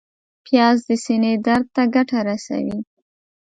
پیاز د سینې درد ته ګټه رسوي